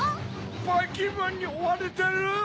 ばいきんまんにおわれてる！